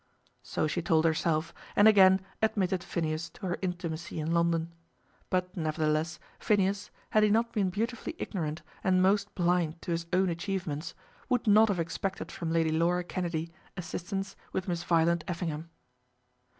So she told herself, and again admitted Phineas to her intimacy in London. But, nevertheless, Phineas, had he not been beautifully ignorant and most blind to his own achievements, would not have expected from Lady Laura Kennedy assistance with Miss Violet Effingham.